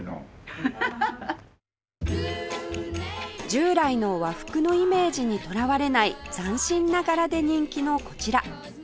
従来の和服のイメージにとらわれない斬新な柄で人気のこちら